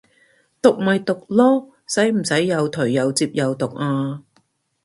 毒咪毒囉，使唔使又頹又摺又毒啊